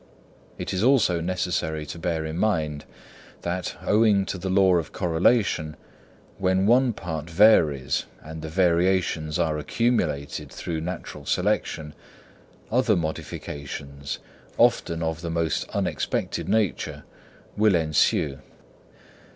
It is also necessary to bear in mind that, owing to the law of correlation, when one part varies and the variations are accumulated through natural selection, other modifications, often of the most unexpected nature, will ensue.